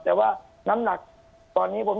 แต่ว่าน้ำหนักตอนนี้